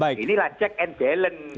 ini lah check and balance